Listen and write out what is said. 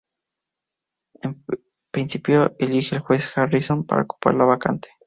En principio elige al juez Harrison para ocupar la vacante.